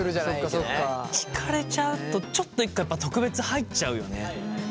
聞かれちゃうとちょっと一回特別入っちゃうよね。